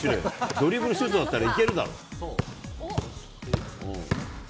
ドリブルシュートだったらいけるだろう。